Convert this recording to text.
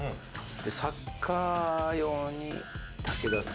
でサッカー用に武田さん。